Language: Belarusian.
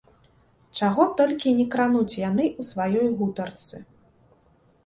Чаго толькі не крануць яны ў сваёй гутарцы?